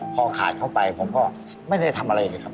พอขาดเข้าไปผมก็ไม่ได้ทำอะไรเลยครับ